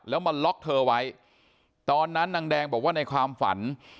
แล้วมาล็อกเธอไว้ตอนนั้นนางแดงบอกว่าในความฝัน